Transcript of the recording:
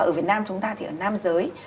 ở việt nam chúng ta thì ở nam giới